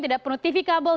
tidak perlu tv kabel